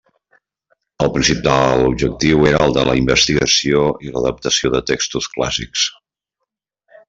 El principal objectiu era el de la investigació i l’adaptació de textos clàssics.